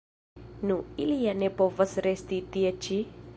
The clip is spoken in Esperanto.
Nu, ili ja ne povas resti tie ĉi?